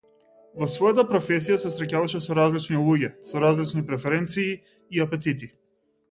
Во својата професија се среќаваше со различни луѓе, со различни преференции и апетити.